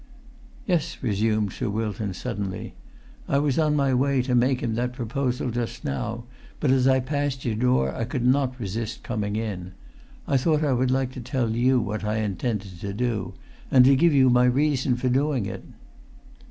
"Yes," resumed Sir Wilton, suddenly, "I was on my way up to make him that proposal just now; but as I passed your door I could not resist coming in. I thought I would like to tell you what I intended to do, and to give you my reasons for doing it."